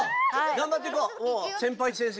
がんばっていこう。